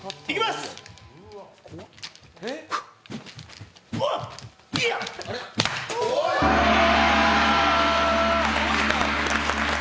すっごいな。